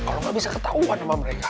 kalau nggak bisa ketahuan sama mereka